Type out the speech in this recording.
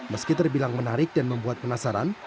meski terbilang menarik dan membuat penasaran